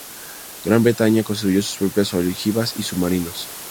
Gran Bretaña construyó sus propias ojivas y submarinos.